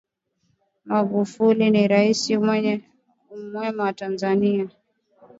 Magufuli ni raisi mwema wa tanzania